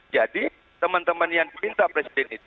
jadi teman teman yang minta presiden itu